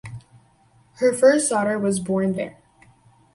Her first daughter was born there.